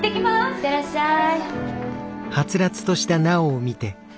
いってらっしゃい。